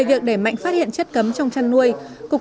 cái quen dưới này cho phép chúng ta trong năm phút thôi